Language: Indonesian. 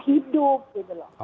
hidup gitu loh